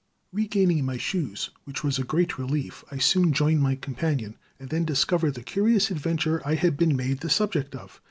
Regaining my shoes, which was a great relief, I soon joined my companion, and then discovered the curious adventure I had been made the subject of.